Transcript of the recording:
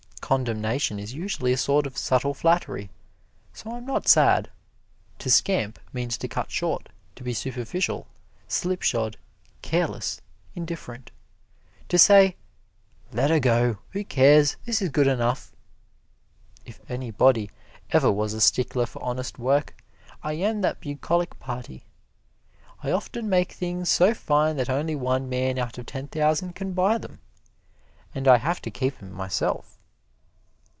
Condemnation is usually a sort of subtle flattery, so I'm not sad. To scamp means to cut short, to be superficial, slipshod, careless, indifferent to say, "Let 'er go, who cares this is good enough!" If anybody ever was a stickler for honest work, I am that bucolic party. I often make things so fine that only one man out of ten thousand can buy them, and I have to keep 'em myself.